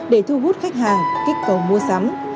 để thu hút khách hàng kích cầu mua sắm